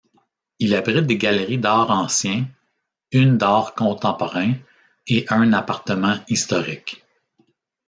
Il abrite des galeries d'art ancien, une d'art contemporain et un appartement historique.